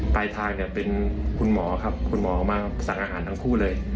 ไปทางคุณหมอมาสั่งอาหารทั้งทั่วเลย